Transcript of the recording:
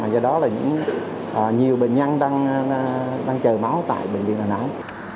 do đó là nhiều bệnh nhân đang chờ máu tại bệnh viện đà nẵng